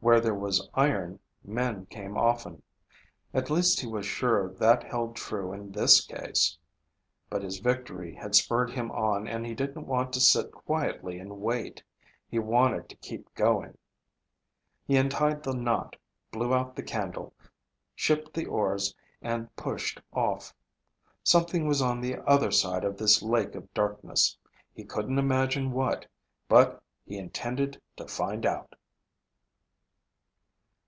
Where there was iron, men came often. At least he was sure that held true in this case. But his victory had spurred him on and he didn't want to sit quietly and wait. He wanted to keep going. He untied the knot, blew out the candle, shipped the oars and pushed off. Something was on the other side of this Lake of Darkness. He couldn't imagine what, but he intended to find out!